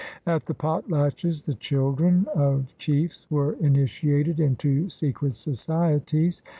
At the potlatches the children of chiefs were initiated into secret societies.